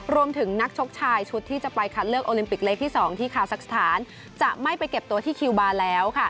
นักชกชายชุดที่จะไปคัดเลือกโอลิมปิกเล็กที่๒ที่คาซักสถานจะไม่ไปเก็บตัวที่คิวบาร์แล้ว